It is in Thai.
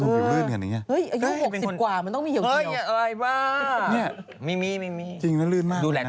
อุ้ยผิวเรื่อนมากเลย